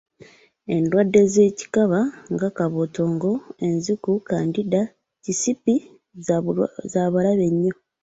Endwadde z’ekikaba nga kabootongo, enziku, kandida, kisipi za bulabe nnyo.